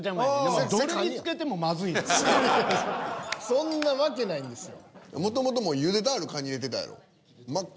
そんなわけないんですよ。